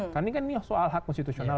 karena ini kan soal hak konstitusional